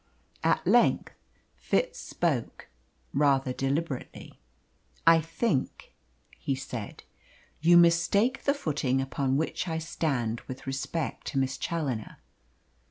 At length Fitz spoke, rather deliberately. "I think," he said, "you mistake the footing upon which I stand with respect to Miss Challoner.